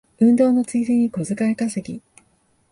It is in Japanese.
運動のついでに小遣い稼ぎ